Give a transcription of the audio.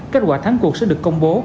kết quả tháng cuộc sẽ được công bố